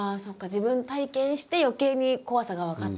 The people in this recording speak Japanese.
自分が体験して余計に怖さが分かった。